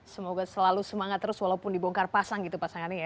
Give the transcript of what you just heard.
semoga selalu semangat terus walaupun dibongkar pasang gitu pasangannya ya